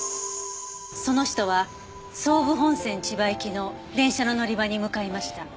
その人は総武本線千葉行きの電車の乗り場に向かいました。